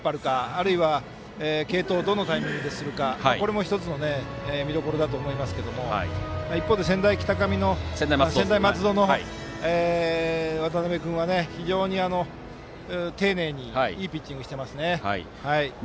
あるいは、継投をどのタイミングでするかも１つの見どころだと思いますが一方で専大松戸の渡邉君は非常に丁寧にいいピッチングをしています。